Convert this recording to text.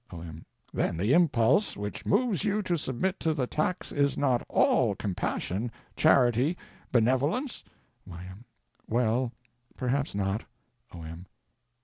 O.M. Then the impulse which moves you to submit to the tax is not all compassion, charity, benevolence? Y.M. Well—perhaps not. O.M.